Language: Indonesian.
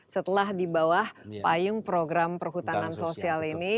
setelah dibawah payung program perhutanan sosial ini